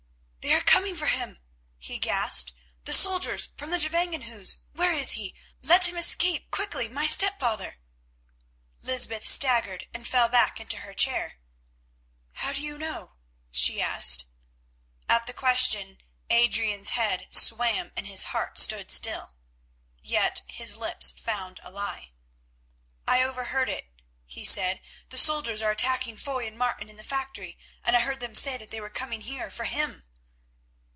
"They are coming for him," he gasped. "The soldiers from the Gevangenhuis. Where is he? Let him escape quickly—my stepfather." Lysbeth staggered and fell back into her chair. "How do you know?" she asked. At the question Adrian's head swam and his heart stood still. Yet his lips found a lie. "I overheard it," he said; "the soldiers are attacking Foy and Martin in the factory, and I heard them say that they were coming here for him."